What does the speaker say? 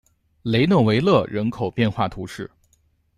雷讷维勒人口变化图示